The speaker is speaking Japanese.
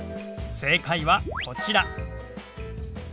正解はこちら。